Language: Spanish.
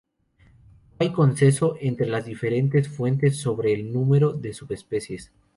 No hay consenso entre las diferentes fuentes sobre el número de subespecies.